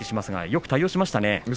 よく対応しましたね。